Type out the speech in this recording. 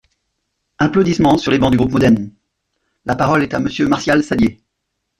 (Applaudissements sur les bancs du groupe MODEM.) La parole est à Monsieur Martial Saddier.